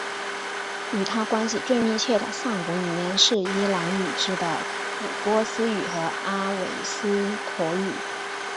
与它关系最密切的上古语言是伊朗语支的古波斯语和阿维斯陀语。